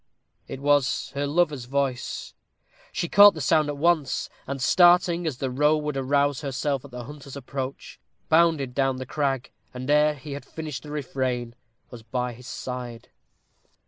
It was her lover's voice. She caught the sound at once, and, starting, as the roe would arouse herself at the hunter's approach, bounded down the crag, and ere he had finished the refrain, was by his side.